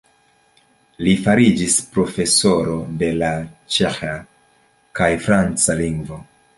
Li fariĝis profesoro de la ĉeĥa kaj franca lingvoj.